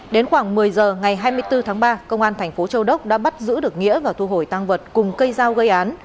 đến khoảng một mươi giờ ngày hai mươi bốn tháng ba công an thành phố châu đốc đã bắt giữ được nghĩa và thu hồi tăng vật cùng cây dao gây án